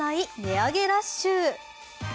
値上げラッシュ。